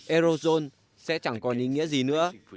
eurozone sẽ chẳng còn ý nghĩa gì nữa